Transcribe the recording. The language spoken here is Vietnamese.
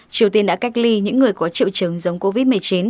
triều tiên đã cách ly những người có triệu chứng giống covid một mươi chín